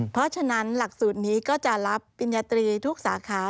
เพราะฉะนั้นหลักสูตรนี้ก็จะรับปริญญาตรีทุกสาขา